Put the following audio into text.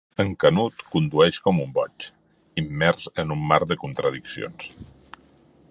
El Canut condueix com un boig, immers en un mar de contradiccions.